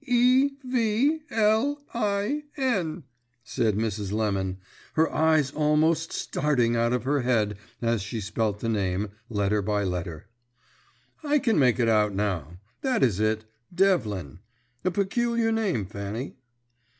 "D e v l i n," said Mrs. Lemon, her eyes almost starting out of her head as she spelt the name, letter by letter. "I can make it out now. That is it, Devlin. A peculiar name, Fanny."